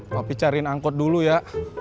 tapi cariin angkot dulu ya